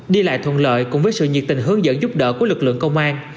đi lại thuận lợi cùng với sự nhiệt tình hướng dẫn giúp đỡ của lực lượng công an